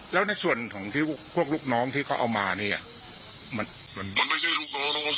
มันไม่ใช่ลูกน้องแต่ว่าสวรรค์